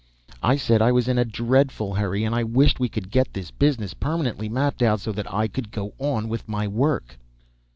I said I was in a dreadful hurry, and I wished we could get this business permanently mapped out, so that I could go on with my work.